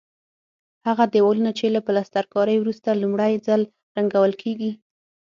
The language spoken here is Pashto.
هغه دېوالونه چې له پلسترکارۍ وروسته لومړی ځل رنګول کېږي.